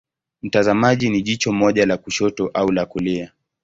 Mtazamaji ni jicho moja la kushoto au la kulia.